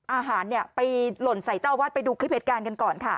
อาหารไปหล่นใส่เจ้าวัดไปดูคลิปเหตุการณ์กันก่อนค่ะ